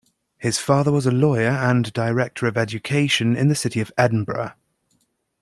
His father was a lawyer and Director of Education in the city of Edinburgh.